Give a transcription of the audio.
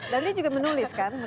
dan dia juga menulis kan